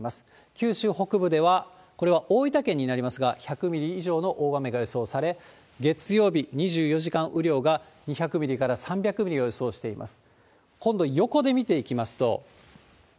九州北部では、これは大分県になりますが、１００ミリ以上の大雨が予想され、月曜日、２４時間雨量が２００ミリから３００ミリを予想しています。